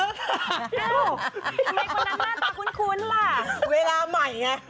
ทำไมคนนั้นน่าตาคุ้นล่ะ